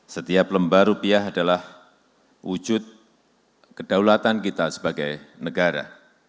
setiap lembar rupiah adalah wujud kedaulatan kita sebagai negara